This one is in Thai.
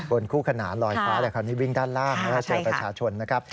คู่ขนานลอยฟ้าแต่คราวนี้วิ่งด้านล่างเจอประชาชนนะครับ